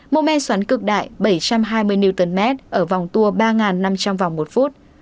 mô me xoắn cực đại bảy trăm hai mươi nm ở vòng tua ba năm trăm linh vòng một phút